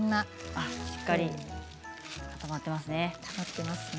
しっかり固まっていますね。